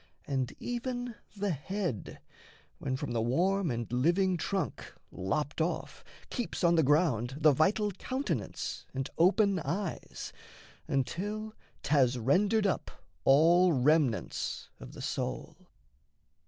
And even the head, When from the warm and living trunk lopped off, Keeps on the ground the vital countenance And open eyes, until 't has rendered up All remnants of the soul.